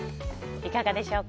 いかがでしょうか？